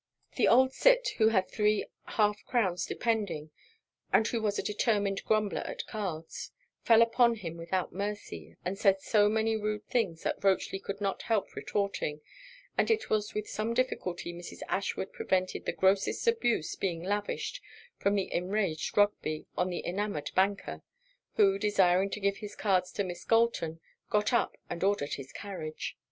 The old cit, who had three half crowns depending, and who was a determined grumbler at cards, fell upon him without mercy; and said so many rude things, that Rochely could not help retorting; and it was with some difficulty Mrs. Ashwood prevented the grossest abuse being lavished from the enraged Rugby on the enamoured banker; who desiring to give his cards to Miss Galton, got up and ordered his carriage.